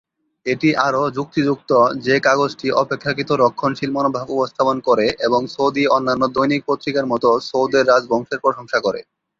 এটি আরও যুক্তিযুক্ত যে কাগজটি অপেক্ষাকৃত রক্ষণশীল মনোভাব উপস্থাপন করে এবং সৌদি অন্যান্য দৈনিক পত্রিকার মতো সৌদের রাজবংশের প্রশংসা করে।